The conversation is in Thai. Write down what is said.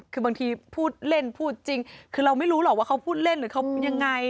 คือบางทีพูดเล่นพูดจริงคือเราไม่รู้หรอกว่าเขาพูดเล่นหรือเขายังไง